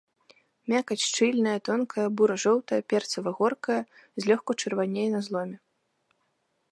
Мякаць шчыльная, тонкая, бура-жоўтая, перцава-горкая, злёгку чырванее на зломе.